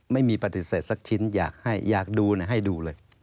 ไม่มีปฏิเสธสักชิ้นอยากให้อยากดูให้ดูเลย